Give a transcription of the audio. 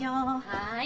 はい。